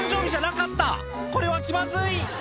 これは気まずい！